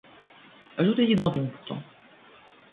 Ajoutez-y Danton, pourtant.